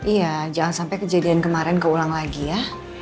iya jangan sampai kejadian kemarin keulang lagi ya